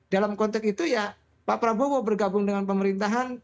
dalam konteks itu ya pak prabowo bergabung dengan pemerintahan